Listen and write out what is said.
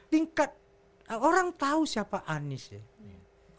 tingkat orang tau siapa anies